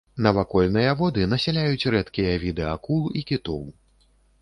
Навакольныя воды насяляюць рэдкія віды акул і кітоў.